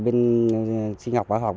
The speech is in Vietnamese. bên sinh học báo học